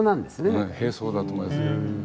併走だと思いますね。